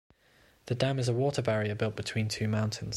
The Dam is a water barrier built between two mountains.